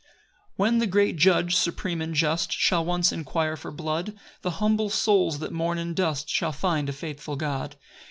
1 When the great Judge, supreme and just, Shall once inquire for blood, The humble souls, that mourn in dust, Shall find a faithful God.